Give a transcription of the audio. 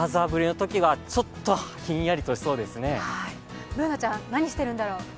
Ｂｏｏｎａちゃん、何してるんだろう。